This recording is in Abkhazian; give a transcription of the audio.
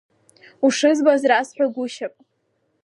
Ушызбаз расҳәагушьап.